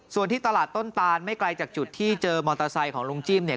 ส่วนที่ตลาดต้นตานไม่ไกลจากจุดที่เจอมอเตอร์ไซค์ของลุงจิ้มเนี่ย